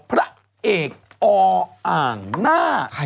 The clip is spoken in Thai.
เพราะเอกเอำอ่างหน้าไส